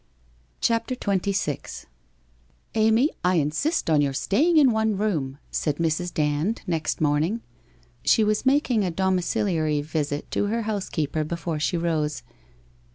' CHAPTER XXVI ' Amy, I insist on your staying in one room,' said Mrs. Dand next morning. She was making a domiciliary visit to her housekeeper before she rose.